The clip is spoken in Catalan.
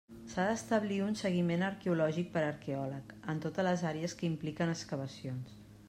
S'ha d'establir un seguiment arqueològic per arqueòleg, en totes les àrees que impliquen excavacions.